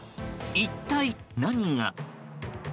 一体何が。